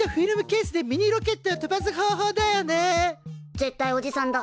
絶対おじさんだ。